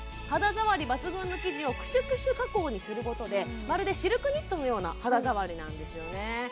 肌触り抜群の生地をクシュクシュ加工にすることでまるでシルクニットのような肌触りなんですよね